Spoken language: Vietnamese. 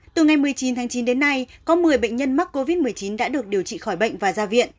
từ ngày một mươi chín tháng chín đến nay có một mươi bệnh nhân mắc covid một mươi chín đã được điều trị khỏi bệnh và ra viện